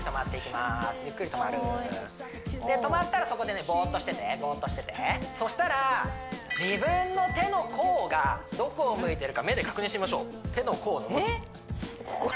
ゆっくり止まる止まったらそこでねボーッとしててボーッとしててそしたら自分の手の甲がどこを向いてるか目で確認してみましょう手の甲どこに？